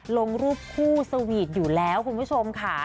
ลงรูปคู่สวีทอยู่แล้วคุณผู้ชมค่ะ